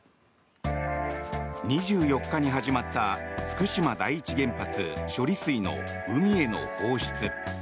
２４日に始まった福島第一原発処理水の海への放出。